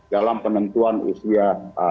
dalam penentuan usia